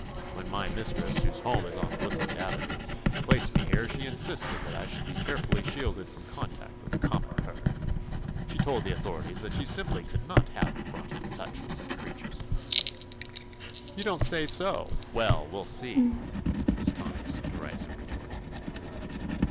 When my mis tress, whose home is on Woodland Avenue, placed me here she insisted that I should be carefully shielded from contact with the common herd. She told the authorities that she sim ply could not have me brought in touch with such creatures.'' "You don't say sol Well, we'll see," was Tommy's derisive retort.